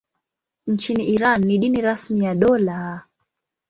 Nchini Iran ni dini rasmi ya dola.